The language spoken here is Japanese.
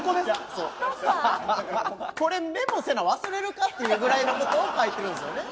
これメモせな忘れるか？っていうぐらいの事を書いてるんですよね。